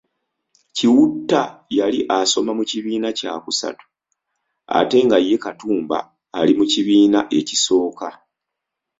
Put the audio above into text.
Kiwutta yali asoma mu kIbiina kya kusatu ate nga ye Katumba ali mu kibiina ekisooka.